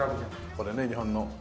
これね日本の。